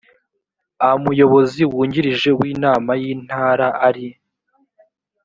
amuyobozi wungirije w inama y intara ari